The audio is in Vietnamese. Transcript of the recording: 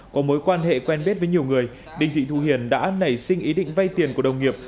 có mối quan hệ quen biết với nhiều người đình thị thu hiền đã nảy sinh ý định vay tiền của đồng nghiệp